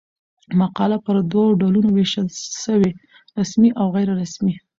مقاله پر دوه ډولونو وېشل سوې؛ رسمي او غیري رسمي.